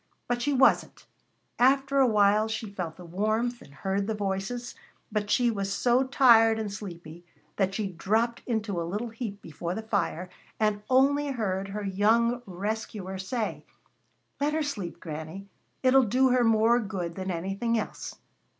But she wasn't. After a while she felt the warmth and heard the voices, but she was so tired and sleepy that she dropped into a little heap before the fire and only heard her young rescuer say: "Let her sleep, Granny; it'll do her more good than anything else."